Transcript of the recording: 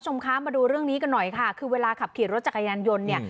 คุณผู้ชมคะมาดูเรื่องนี้กันหน่อยค่ะคือเวลาขับขี่รถจักรยานยนต์เนี่ย